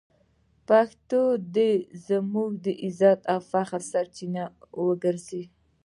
پښتو دې زموږ د عزت او فخر سرچینه وګرځي.